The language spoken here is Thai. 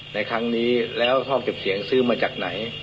ในครั้งนี้แล้วห้องเก็บเสียงซื้อมาจากไหน